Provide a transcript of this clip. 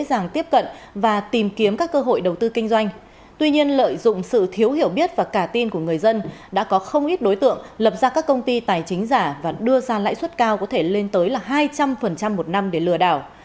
lãi suất cao có thể lên tới là hai trăm linh một năm để lừa đảo